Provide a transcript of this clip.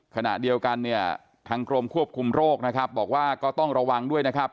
ขณะเดียวกันเนี่ยทางกรมควบคุมโรคนะครับบอกว่าก็ต้องระวังด้วยนะครับ